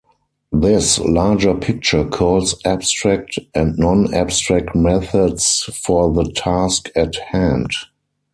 This larger picture calls abstract and non-abstract methods for the task at hand.